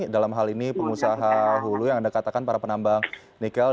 dalam hal ini pengusaha hulu yang anda katakan para penambang nikel